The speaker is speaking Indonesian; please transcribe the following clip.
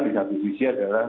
di satu sisi adalah